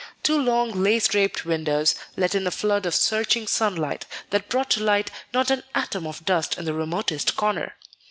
Two long lace draped windows let in a flood of searching sunlight that brought to light not an atom of dust in the remotest corner.